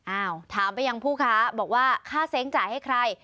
อ้าวถามไปยังผู้ค้าบอกว่าค่าเซ้งจ่ายให้ใคร